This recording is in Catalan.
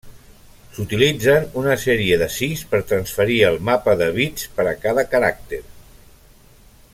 S'utilitzen una sèrie de sis per transferir el mapa de bits per a cada caràcter.